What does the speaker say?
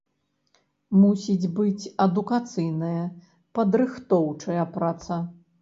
Мусіць быць адукацыйная, падрыхтоўчая праца.